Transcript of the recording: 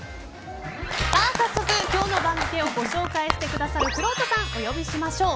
早速、今日の番付をご紹介してくださるくろうとさん、お呼びしましょう。